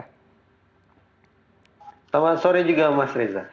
selamat sore juga mas reza